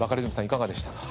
いかがでしたか？